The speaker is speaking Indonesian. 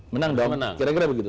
menang dong kira kira begitu